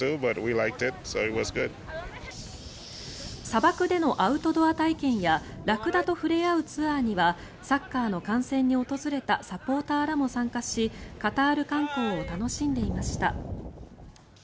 砂漠でのアウトドア体験やラクダと触れ合うツアーにはサッカーの観戦に訪れたサポーターらも参加しカタール観光を楽しんでいました。